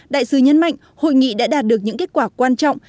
đại sứ nhấn mạnh hội nghị đã đạt được những kết quả quan trọng